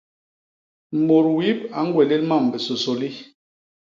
Mut wip a ñgwélél mam bisôsôli.